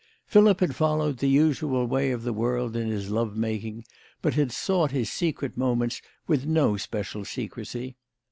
Philip had followed the usual way of the world in his love making, but had sought his secret moments with no special secrecy.